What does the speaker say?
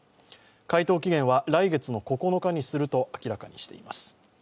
回答期限は来月の９日にすると明らかにしています。